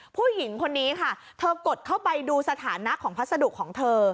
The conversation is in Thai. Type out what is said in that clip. ผู้หญิงคนนี้ค่ะเธอกดเข้าไปดูสถานะของพัสดุของเธอ